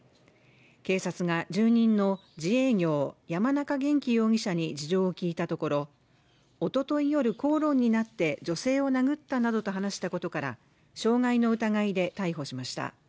警察が住人の自営業山中元稀容疑者に事情を聞いたところ、おととい夜口論になって女性を殴ったなどと話したことから、傷害の疑いで逮捕しました。